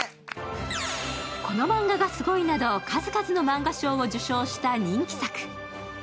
「このマンガがすごい！」など、数々の漫画賞を受賞した人気作。